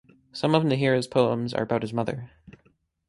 Some of Narihira's poems are about his mother.